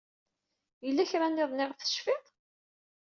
Yella kra niḍen ayɣef tecfid?